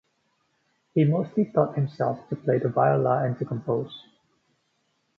He mostly taught himself to play the viola and to compose.